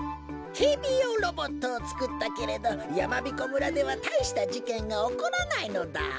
けいびようロボットをつくったけれどやまびこ村ではたいしたじけんがおこらないのだ。